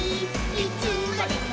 「いつまでも」